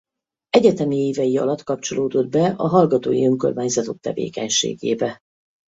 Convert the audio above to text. Egyetemi évei alatt kapcsolódott be a hallgatói önkormányzatok tevékenységébe.